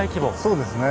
そうですね。